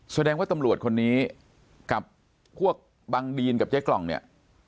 แสดงว่าตำรวจคนนี้กับพวกบังดีนกับเจ๊กล่องเนี่ย